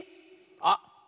あっ